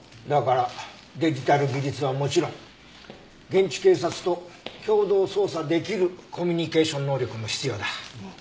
だからデジタル技術はもちろん現地警察と共同捜査できるコミュニケーション能力も必要だ。